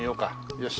よし。